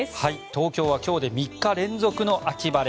東京は今日で３日連続の秋晴れ。